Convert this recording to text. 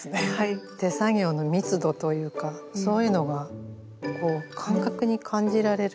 手作業の密度というかそういうのが感覚に感じられる。